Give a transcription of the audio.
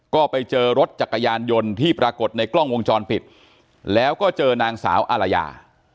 ก็ไปเจอรถจักรยานยนต์ที่ปรากฏในกล้องวงจรปิดแล้วก็เจอนางสาวอารยา